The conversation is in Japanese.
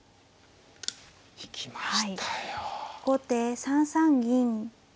後手３三銀。